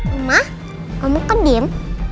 mama omokan dim